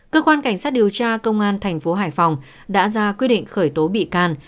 cơ quan cảnh sát điều tra công an tp hải phòng đã ra quy định khởi tố bị can